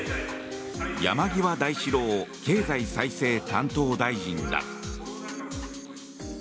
山際大志郎経済再生担当大臣だ。